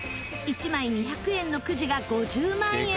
１枚２００円のくじが５０万円に！